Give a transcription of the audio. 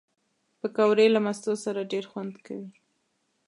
پکورې له مستو سره ډېر خوند کوي